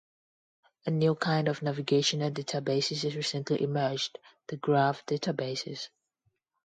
A new kind of navigational databases has recently emerged, the graph databases.